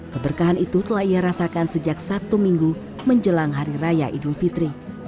keberkahan itu telah ia rasakan sejak sabtu minggu menjelang hari raya idul fitri